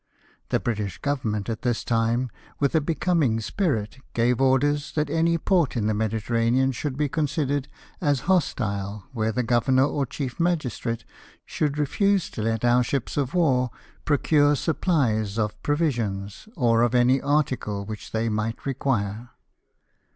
The British Government at this time, with a becoming spirit, gave orders that any port in the Mediterranean should be considered as hostile where the governor or chief magistrate should refuse to let our ships of war procure supplies of provisions, or of any article which they might require.